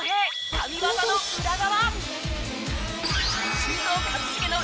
神技の裏側！